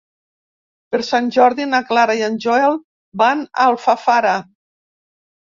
Per Sant Jordi na Clara i en Joel van a Alfafara.